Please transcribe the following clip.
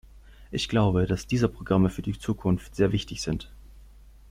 Ich glaube, dass diese Programme für die Zukunft sehr wichtig sind.